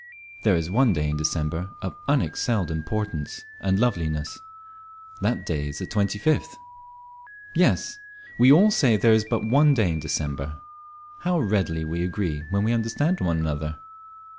There is one day in December of unexcelled importance and loveliness; that day is the twenty fifth. Yes, we all say there is but one day in December. How readily we agree when we understand one another!